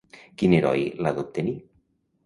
Quin heroi l'ha d'obtenir?